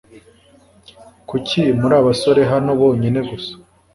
Kuki muri abasore hano bonyine gusa